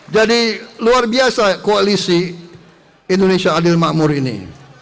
jadi luar biasa koalisi indonesia adil makmur ini